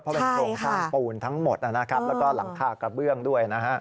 เพราะเป็นโครงสร้างปูนทั้งหมดนะครับแล้วก็หลังคากระเบื้องด้วยนะฮะ